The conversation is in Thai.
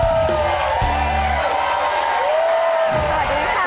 สวัสดีค่ะ